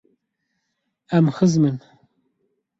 Em xizm in.